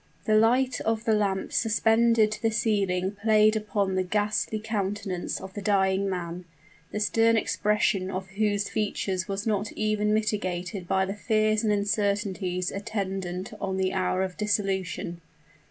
The light of the lamp suspended to the ceiling played upon the ghastly countenance of the dying man, the stern expression of whose features was not even mitigated by the fears and uncertainties attendant on the hour of dissolution.